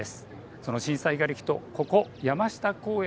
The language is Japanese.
その震災がれきとここ、山下公園